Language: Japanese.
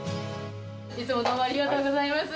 いつもどうもありがとうございます。